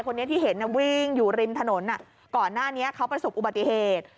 คนนี้ที่เห็นวิ่งอยู่ริมถนนก่อนหน้านี้เขาประสบอุบัติเหตุ